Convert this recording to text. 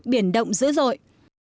biển động dữ dội